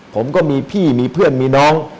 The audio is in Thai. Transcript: ผมก็มีพี่มีเพื่อนมีน้อง